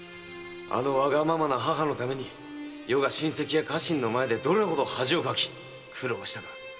あのわがままな母のために余が親戚や家臣の前でどれほど恥をかき苦労したか〕